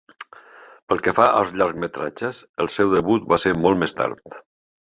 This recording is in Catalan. Pel que fa als llargmetratges, el seu debut va ser molt més tard.